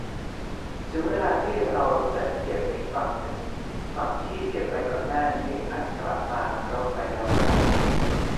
เมื่อถึงเวลาที่เราจัดเก็บอีกฝั่งหนึ่ง ฝั่งที่เก็บไปก่อนหน้านี้อาจจะกลับมารกไปแล้วก็ได้